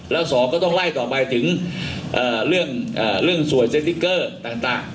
แล้วสองก็ต้องไล่ต่อไปถึงเอ่อเรื่องเอ่อเรื่องสวยต่างต่าง